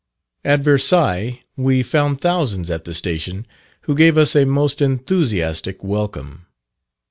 At Versailles, we found thousands at the station, who gave us a most enthusiastic welcome.